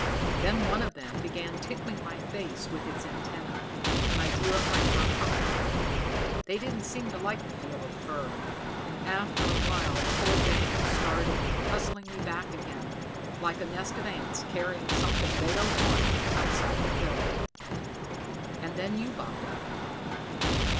Then one of them began tickling my face with its antenna, and I drew up my fur collar. They didn't seem to like the feel of the fur, and after a while the whole gang started hustling me back again, like a nest of ants carrying something they don't want outside their hill. And then you bobbed up."